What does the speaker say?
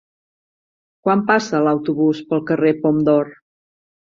Quan passa l'autobús pel carrer Pom d'Or?